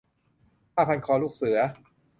- ผ้าพันคอลูกเสือ